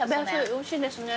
おいしいですね。